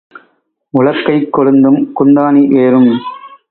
உலக்கைக் கொழுந்தும் குந்தாணி வேரும்.